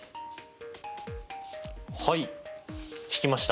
はい引きました。